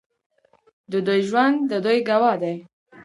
د دوی ژوند د دوی ګواه دی.